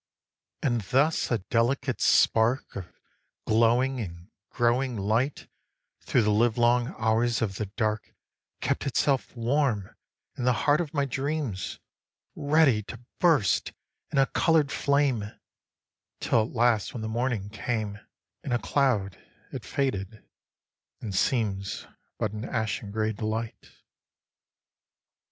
3. And thus a delicate spark Of glowing and growing light Thro' the livelong hours of the dark Kept itself warm in the heart of my dreams, Ready to burst in a colour'd flame; Till at last when the morning came In a cloud, it faded, and seems But an ashen gray delight.